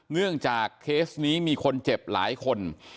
เนื่องจากเคสนี้มีคนเจ็บหลายคน